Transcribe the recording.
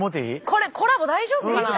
これコラボ大丈夫かなあ？